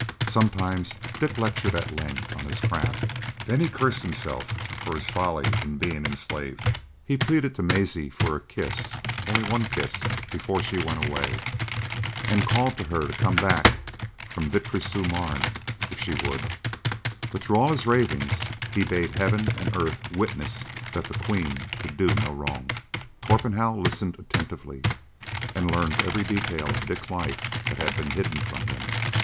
Sometimes Dick lectured at length on his craft, then he cursed himself for his folly in being enslaved. He pleaded to Maisie for a kiss—only one kiss—before she went away, and called to her to come back from Vitry sur Marne, if she would; but through all his ravings he bade heaven and earth witness that the queen could do no wrong. Torpenhow listened attentively, and learned every detail of Dick's life that had been hidden from him.